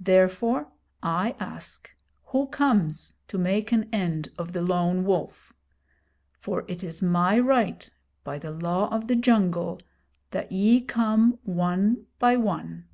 Therefore, I ask, who comes to make an end of the Lone Wolf? For it is my right, by the Law of the Jungle, that ye come one by one.'